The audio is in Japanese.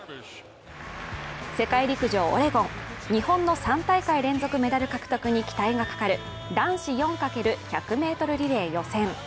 世界陸上オレゴン、日本の３大会連続メダル獲得に期待がかかる男子４×１００ｍリレー予選。